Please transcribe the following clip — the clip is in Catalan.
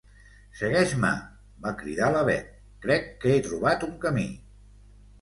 Segueix-me! —va cridar la Bet— Crec que he trobat un camí.